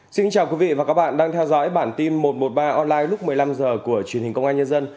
xin chào quý vị và các bạn đang theo dõi bản tin một trăm một mươi ba online lúc một mươi năm h của truyền hình công an nhân dân